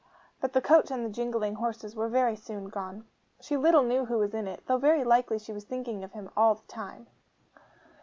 But the coach and the jingling horses were very soon gone. She little knew who was in it, though very likely she was thinking of him all the time.